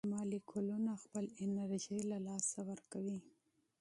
مالیکولونه خپله انرژي له لاسه ورکوي.